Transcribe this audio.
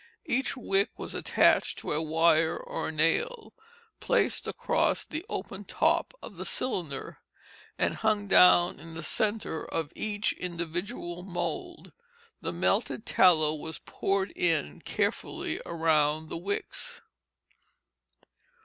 Each wick was attached to a wire or a nail placed across the open top of the cylinder, and hung down in the centre of each individual mould. The melted tallow was poured in carefully around the wicks.